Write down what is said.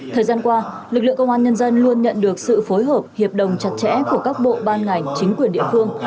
thời gian qua lực lượng công an nhân dân luôn nhận được sự phối hợp hiệp đồng chặt chẽ của các bộ ban ngành chính quyền địa phương